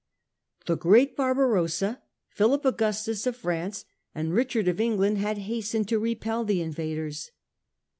The great Barbarossa, Philip Augustus of France and Richard of England had hastened to repel the invaders.